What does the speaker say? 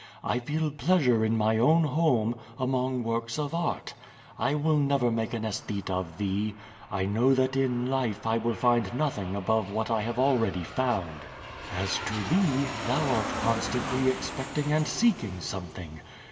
I feel pleasure in my own home, among works of art. I will never make an aesthete of thee. I kn(»w that in life I will find nothing above what I have already found. As to thee, thou art constantly expecting and seeking something.